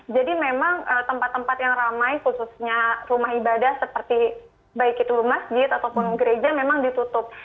jadi memang tempat tempat yang ramai khususnya rumah ibadah seperti baik itu masjid ataupun gereja memang ditutup